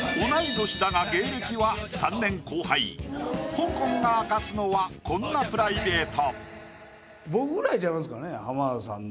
ほんこんが明かすのはこんなプライベート。